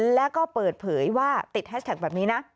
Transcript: แล้วก็เปิดเผยว่าติดแฮชแท็กแบบนี้นะ